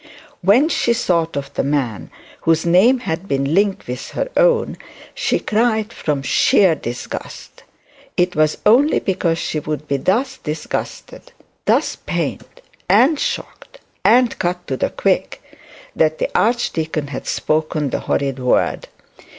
When she thought of the man whose name had been linked with her own, she cried from sheer disgust. It was only because she would be thus disgusted, thus pained, and shocked and cut to the quick, that the archdeacon had spoken the horrid word.